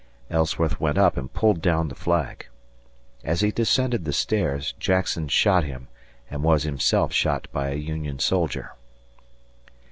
Ellsworth went up and pulled down the flag. As he descended the stairs, Jackson shot him and was himself shot by a Union soldier.